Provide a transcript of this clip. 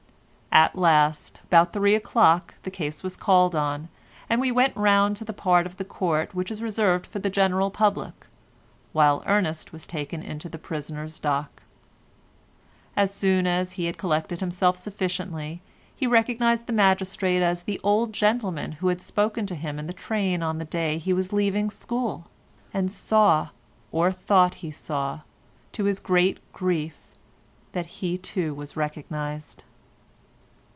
At last, about three o'clock the case was called on, and we went round to the part of the court which is reserved for the general public, while Ernest was taken into the prisoner's dock. As soon as he had collected himself sufficiently he recognised the magistrate as the old gentleman who had spoken to him in the train on the day he was leaving school, and saw, or thought he saw, to his great grief, that he too was recognised.